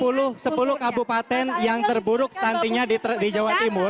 ada sepuluh kabupaten yang terburuk stuntingnya di jawa timur